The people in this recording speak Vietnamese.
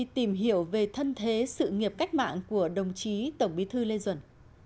tìm hiểu về thân thế sự nghiệp cách mạng của đồng chí tổng bí thư lê duẩn